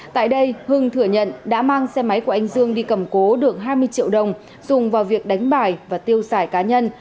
tại đây hưng thừa nhận đã mang xe máy của anh dương đi cầm cố được hai mươi triệu đồng dùng vào việc đánh bài và tiêu xài cá nhân